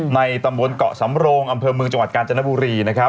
ในตำรวจเกาะสำโรงอำเภอมือจังหวัดกาญจนบุรี